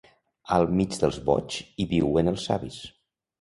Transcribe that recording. Al mig dels boigs hi viuen els savis.